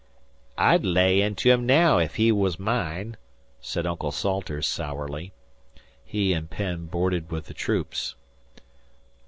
"I'd lay into him naow ef he was mine," said Uncle Salters, sourly. He and Penn boarded with the Troops.